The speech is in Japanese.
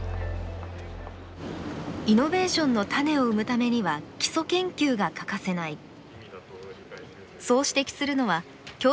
イノベーションの種を生むためには基礎研究が欠かせない。